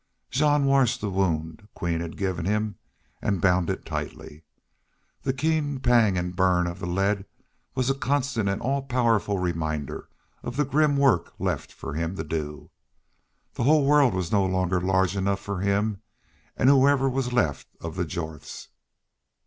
Jean washed the wound Queen had given him and bound it tightly. The keen pang and burn of the lead was a constant and all powerful reminder of the grim work left for him to do. The whole world was no longer large enough for him and whoever was left of the Jorths.